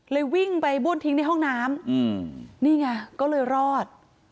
วิ่งไปบ้วนทิ้งในห้องน้ำนี่ไงก็เลยรอด